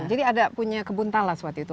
jadi ada punya kebun talas waktu itu